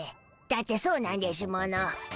だってそうなんでしゅもの。